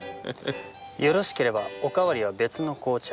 よろしければおかわりは別の紅茶で。